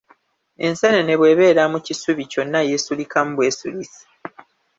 Enseenene bw’ebeera mu kisubi kyonna yeesulikamu bwesulisi.